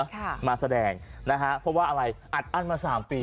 ค่ะมาแสดงนะฮะเพราะว่าอะไรอัดอั้นมาสามปี